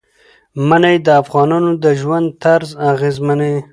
منی د افغانانو د ژوند طرز اغېزمنوي.